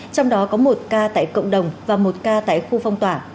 trong đó có một ca tại cộng đồng và một ca tại khu phong tỏa